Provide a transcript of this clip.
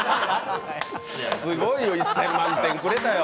すごいよ、１０００万点くれたよ